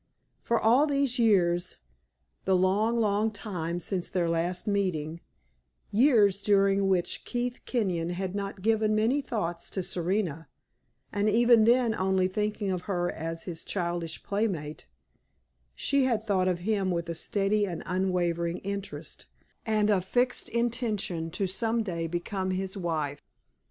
For all these years the long, long time since their last meeting years during which Keith Kenyon had not given many thoughts to Serena, and even then only thinking of her as his childish playmate, she had thought of him with a steady and unwavering interest and a fixed intention to some day become his wife.